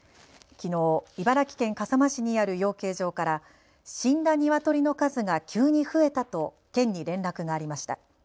きのう、茨城県笠間市にある養鶏場から死んだニワトリの数が急に増えたと県に連絡がありました。